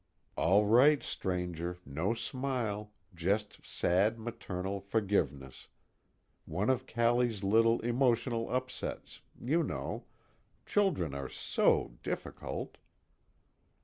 _All right, stranger no smile, just sad maternal forgiveness. One of Callie's little emotional upsets, you know children are SO difficult!